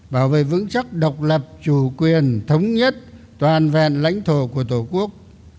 bảo vệ vững chắc độc lập chủ quyền thống nhất toàn vẹn lãnh thổ của tổ quốc